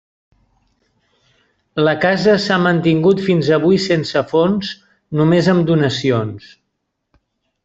La casa s'ha mantingut fins avui sense fons, només amb donacions.